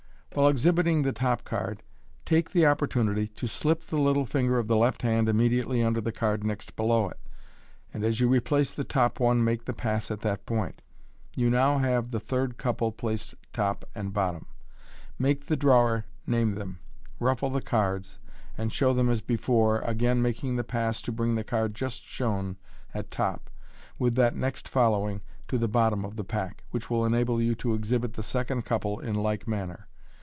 While exhibiting the top card, take the opportunity to slip the little finger of the left hand immediately under the card next below it, and as you replace the top one make the pass at that point. You now have the third couple placed top and bottom. Make the drawer name them, ruffle the cards, and show them as before, again making the pass to bring the card just shown at top, with that next following, to the bottom of the pack, which will enable you to exhibit the second couple in like manner.